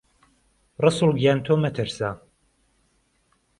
رهسوول گیان تۆ مهترسه